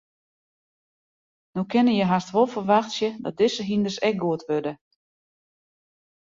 No kinne je hast wol ferwachtsje dat dizze hynders ek goed wurde.